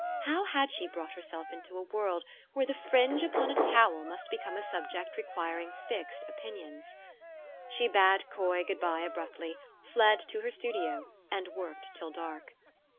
How had she brought herself into a world where the fringe upon a towel must become a subject requiring fixed opinions ? She bade Coy good by abruptly, fled to her studio, and worked till dark.